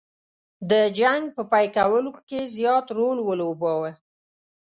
د جنګ په پیل کولو کې زیات رول ولوباوه.